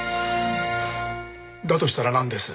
だとしたらなんです？